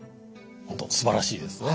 本当すばらしいですね。